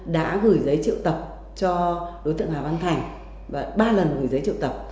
đã gửi giấy triệu tập cho đối tượng hà văn thành và ba lần gửi giấy triệu tập